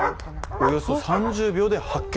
およそ３０秒で発見。